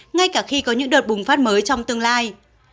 ngay cả khi có những đợt bùng phát mới trong tương lai